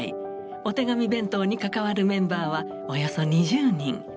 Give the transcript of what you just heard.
お手紙弁当に関わるメンバーはおよそ２０人。